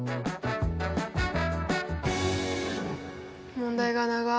問題が長い。